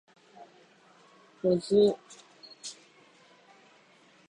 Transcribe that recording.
保津峡駅